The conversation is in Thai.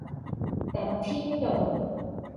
แต่บางที่ไม่โดน